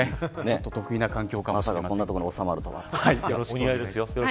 まさかこんな所に収まるとは。